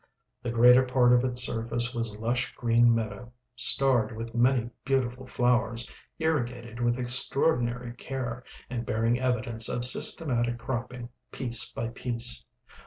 The greater part of its surface was lush green meadow, starred with many beautiful flowers, irrigated with extraordinary care, and bearing evidence of systematic cropping piece by piece.